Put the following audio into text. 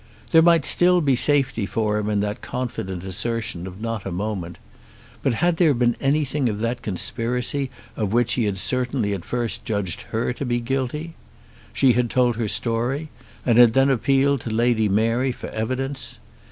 There might still be safety for him in that confident assertion of "not a moment;" but had there been anything of that conspiracy of which he had certainly at first judged her to be guilty? She had told her story, and had then appealed to Lady Mary for evidence.